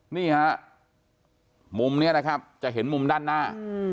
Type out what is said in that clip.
นี่ฮะมุมนี้นะครับจะเห็นมุมด้านหน้า